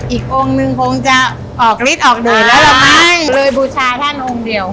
อีกองค์หนึ่งคงจะออกออกดื่นแล้วหรอไม่เลยบูชาข้างองค์เดียว